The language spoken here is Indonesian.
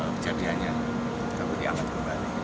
kejadiannya kita beri amat kembali